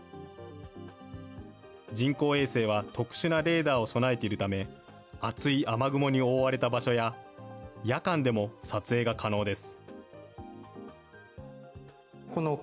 人工衛星は特殊なレーダーを備えているため、厚い雨雲に覆われた場所や、夜間でも撮影が可能です。